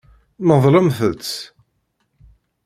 Medlemt-tt.